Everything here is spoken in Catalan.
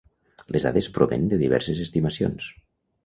Les dades provenen de diverses estimacions.